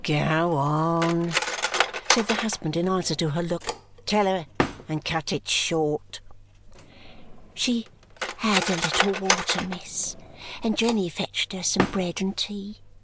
"Go on!" said the husband in answer to her look. "Tell her and cut it short." "She had a little water, miss, and Jenny fetched her some bread and tea.